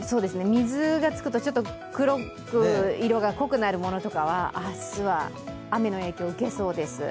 水がつくと黒く色が濃くなるものとかは明日は雨の影響を受けそうです。